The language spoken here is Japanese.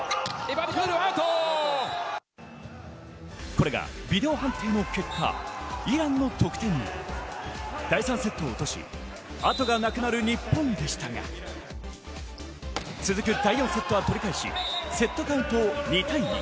これがビデオ判定の結果、イランの得点に第３セットを落とし、あとがなくなる日本でしたが、続く第４セットは取り返し、セットカウント２対２。